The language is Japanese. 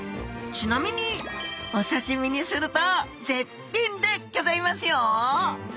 ちなみにお刺身にすると絶品でギョざいますよ！